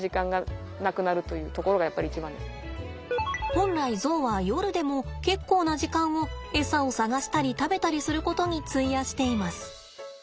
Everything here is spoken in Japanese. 本来ゾウは夜でも結構な時間をエサを探したり食べたりすることに費やしています。